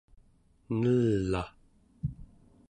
nel'aᵉ